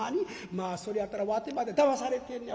まあそれやったらわてまでだまされてんのや。